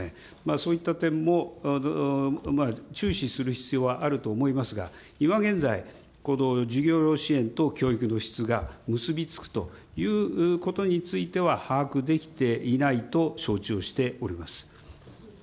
そういった点も注視する必要はあると思いますが、今現在、この授業料支援と教育の質が、結び付くということについては把握できていないと承知をしております。